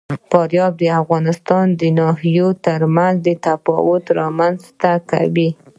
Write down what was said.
فاریاب د افغانستان د ناحیو ترمنځ تفاوتونه رامنځ ته کوي.